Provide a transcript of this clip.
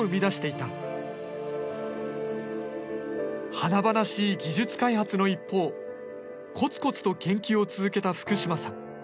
華々しい技術開発の一方コツコツと研究を続けた福島さん。